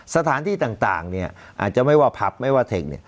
สถานที่ต่างเนี่ยอาจจะไม่ว่าพับไม่ว่าเท็กเนี่ย